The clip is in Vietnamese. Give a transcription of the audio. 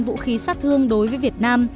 vũ khí sát thương đối với việt nam